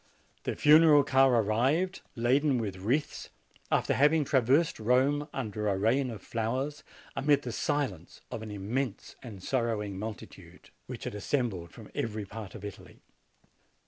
The funeral car arrived, laden with wreaths, after having traversed Rome under a rain of flowers, amid the silence of an immense and sorrowing multitude, which had assembled from every part of Italy.